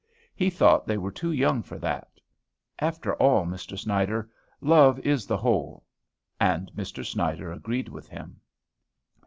He thought they were too young for that. After all, Mr. Snyder, 'Love is the whole.'" And Mr. Snyder agreed with him.